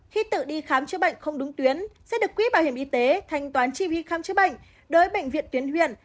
khi tự đi khám chứa bệnh không đúng tuyến sẽ được quý bảo hiểm y tế thanh toán chi phí khám chứa bệnh đối bệnh viện tuyến huyện